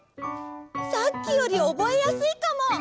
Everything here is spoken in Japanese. さっきよりおぼえやすいかも！